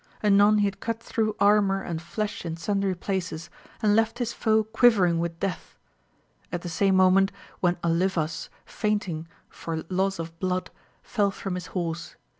Anon he had cut through armour and flesh in sundry places, and left his foe qui vering with death, at the same moment when Olivas, fainting for loss of blood, fell from his horse.